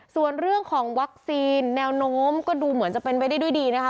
ส่วนเรื่องของวัคซีนแนวโน้มก็ดูเหมือนจะเป็นไปได้ด้วยดีนะคะ